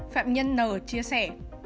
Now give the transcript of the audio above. phạm nhân n chia sẻ